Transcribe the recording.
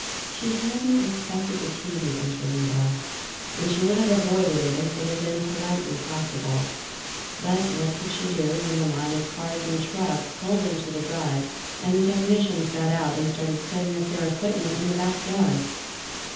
She hadn't expected the TV interview, though, and she would have avoided it if it had been politely possible. But what could she do when the line of cars and trucks pulled into the drive and the technicians got out and started setting up their equipment in the backyard?